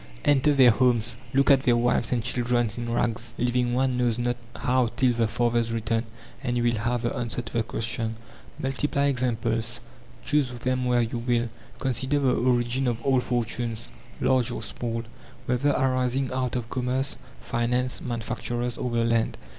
Enter their homes, look at their wives and children in rags, living one knows not how till the father's return, and you will have the answer to the question. Multiply examples, choose them where you will, consider the origin of all fortunes, large or small, whether arising out of commerce, finance, manufacturers, or the land.